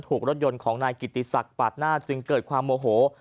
ถูกรถยนต์ของนายกิติศักดิ์ปาดหน้าจึงเกิดความโมโห